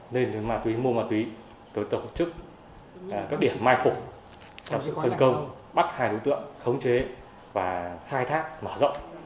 lên đến ma túy mua ma túy tổ chức các điểm mai phục trong sự khuân công bắt hai đối tượng khống chế và khai thác mở rộng